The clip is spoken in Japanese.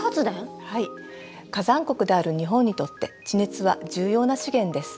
火山国である日本にとって地熱は重要な資源です。